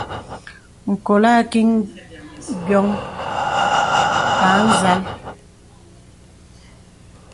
Ǹkɔl àkìŋ ngɔn à nzàl.